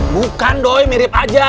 bukan doi mirip aja